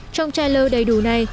trong trailer đầy đủ này